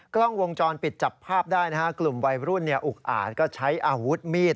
กล้องวงจรปิดจับภาพได้นะฮะกลุ่มวัยรุ่นอุกอาจก็ใช้อาวุธมีด